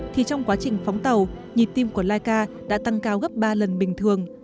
thì trong quá trình phóng tàu nhịp tim của laika đã tăng cao gấp ba lần bình thường